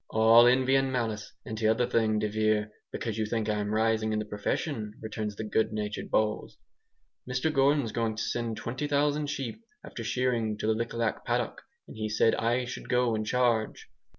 "All envy and malice, and t'other thing, de Vere, because you think I'm rising in the profession," returns the good natured Bowles, "Mr Gordon's going to send 20,000 sheep, after shearing, to the Lik Lak paddock, and he said I should go in charge."